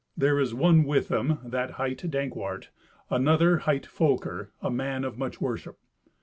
There is one with them that hight Dankwart; another hight Folker, a man of much worship.